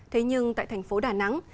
thế nhưng tại thành phố đà nẵng